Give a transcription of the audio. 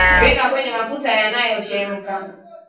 Weka kwenye mafuta yanayochemka